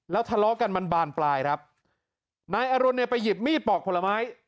ทะเลาะกันมันบานปลายครับนายอรุณเนี่ยไปหยิบมีดปอกผลไม้